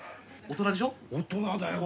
大人だよ。